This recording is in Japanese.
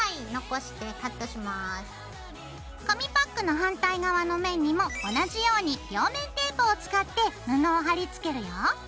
紙パックの反対側の面にも同じように両面テープを使って布を貼り付けるよ。